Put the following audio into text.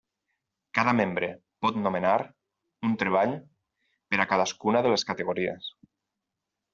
Cada membre pot nomenar un treball per a cadascuna de les categories.